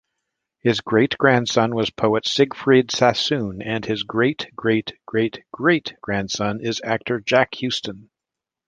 His great-grandson was poet Siegfried Sassoon, and his great-great-great-great-grandson is actor Jack Huston.